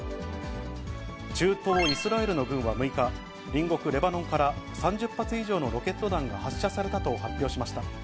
中東イスラエルの軍は６日、隣国レバノンから３０発以上のロケット弾が発射されたと発表しました。